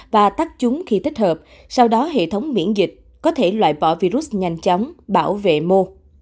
và tắt chúng khi tích hợp sau đó hệ thống miễn dịch có thể loại bỏ virus nhanh chóng bảo vệ mô